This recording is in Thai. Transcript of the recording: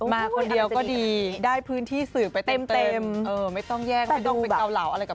มาคนเดียวก็ดีได้พื้นที่สืบไปเต็มไม่ต้องแยกไม่ต้องไปเกาเหลาอะไรกับ